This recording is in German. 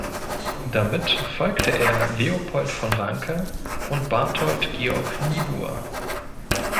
Damit folgte er Leopold von Ranke und Barthold Georg Niebuhr.